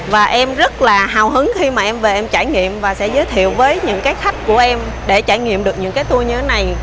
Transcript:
và em rất là hào hứng khi mà em về em trải nghiệm và sẽ giới thiệu với những cái khách của em để trải nghiệm được những cái tour như thế này